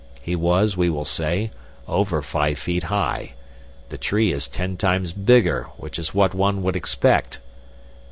He was, we will say, over five feet high. The tree is ten times bigger, which is what one would expect."